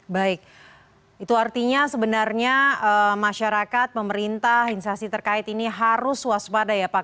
baik itu artinya sebenarnya masyarakat pemerintah instasi terkait ini harus waspada ya pak